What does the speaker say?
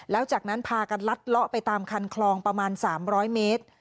แล้วจากนั้นพากันลัดเลาะไปตามคันคลองประมาณ๓๐๐เมตร